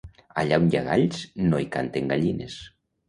Allà on hi ha galls, no hi canten gallines.